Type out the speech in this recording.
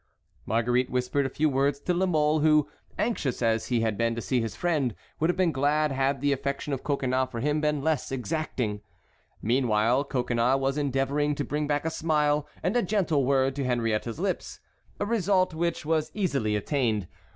Marguerite whispered a few words to La Mole, who, anxious as he had been to see his friend, would have been glad had the affection of Coconnas for him been less exacting. Meanwhile Coconnas was endeavoring to bring back a smile and a gentle word to Henriette's lips, a result which was easily attained.